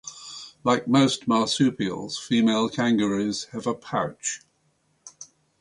Like most marsupials, female kangaroos have a pouch.